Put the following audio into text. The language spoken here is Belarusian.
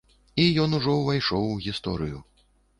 І ён ужо ўвайшоў у гісторыю.